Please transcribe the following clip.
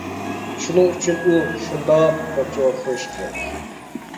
شۇنىڭ ئۈچۈن، ئۇ «شۇنداق» دەپ جاۋاب بېرىشى كېرەك.